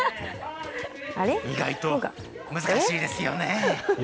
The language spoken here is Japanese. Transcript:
意外と難しいですよね。